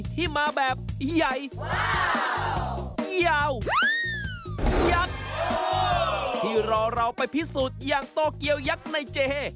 ที่รอเราไปพิสูจน์อย่างโตเกียวยักษ์ในเจฮะ